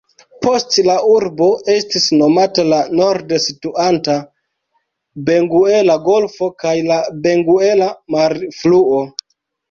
Post la urbo estis nomata la norde situanta Benguela-golfo kaj la Benguela-marfluo.